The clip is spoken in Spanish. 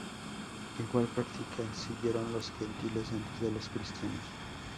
Igual práctica siguieron los gentiles antes de los cristianos.